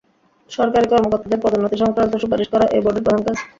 সরকারি কর্মকর্তাদের পদোন্নতি সংক্রান্ত সুপারিশ করা এ বোর্ডের প্রধান কাজ।